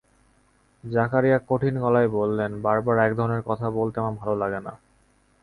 জাকারিয়া কঠিন গলায় বললেন, বারবার এক ধরনের কথা বলতে আমার ভালো লাগে না।